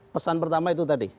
pesan pertama itu tadi